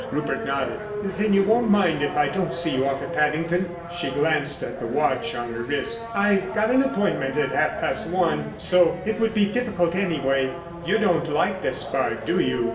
Rupert nodded. "Then you won't mind if I don't see you off at Paddington?" She glanced at the watch on her wrist. "I've got an appointment at half past one, so it would be difficult anyway." "You don't like Despard, do you?"